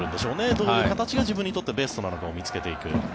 どういう形が自分にとってベストなのか見つけていく。